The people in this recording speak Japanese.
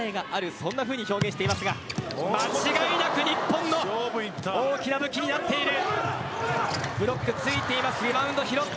そんなふうに表現していますが間違いなく日本の大きな武器になっている。